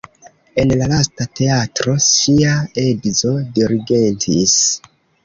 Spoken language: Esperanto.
En la lasta teatro ŝia edzo dirigentis.